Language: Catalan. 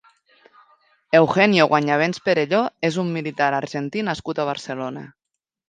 Eugenio Guañabens Perelló és un militar argentí nascut a Barcelona.